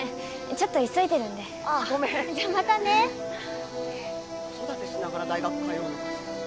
ちょっと急いでるんであっごめんじゃまたね子育てしながら大学通うのかしら？